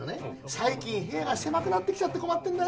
最近部屋が狭くなってきちゃって困ってんだ。